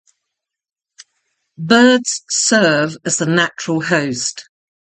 Birds serve as the natural host.